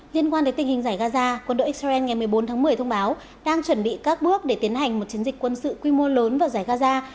liên quan đến tình hình giải gaza quân đội israel ngày một mươi bốn tháng một mươi thông báo đang chuẩn bị các bước để tiến hành một chiến dịch quân sự quy mô lớn vào giải gaza